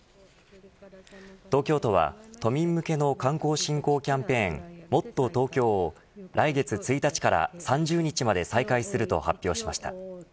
東京都は都民向けの観光振興キャンペーンもっとＴｏｋｙｏを来月１日から３０日まで再開すると発表しました。